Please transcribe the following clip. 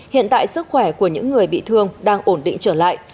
hiện tại sức khỏe của những người bị thương đang ổn định trở lại